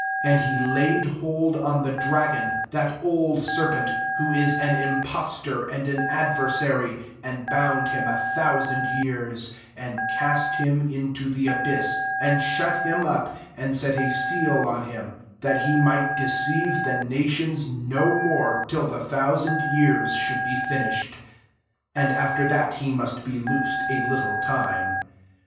2 And he laid hold on the dragon, that old serpent, who is an impostor and an ad versary, and bound him a thou sand years ; 3 and cast him into the abyss, and shut him up, and set a seal on him, that he might deceive the nations no more, till the thousand years should be finished : [an(f\ after that he must be loosed a little time.